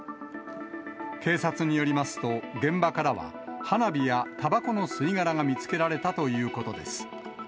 警察によりますと、現場からは、花火やたばこの吸い殻が見つけられたということです。